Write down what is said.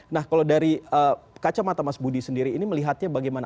nah kalau dari kacamata mas budi sendiri ini melihatnya bagaimana